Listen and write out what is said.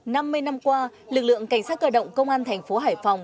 năm mươi năm qua lực lượng cảnh sát cơ động công an thành phố hải phòng